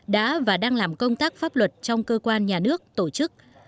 đã và đang làm công tác pháp luật trong cơ quan nhà nước tổ chức